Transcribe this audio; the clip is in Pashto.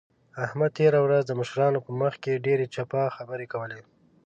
احمد تېره ورځ د مشرانو په مخ کې ډېرې چپه خبرې کولې.